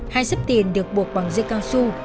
hai sấp tiền được buộc bằng dây cao su